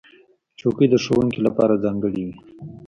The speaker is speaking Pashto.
چوکۍ د ښوونکو لپاره ځانګړې وي.